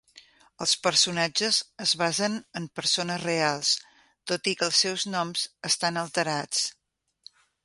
Els personatges es basen en persones reals, tot i que els seus noms estan alterats.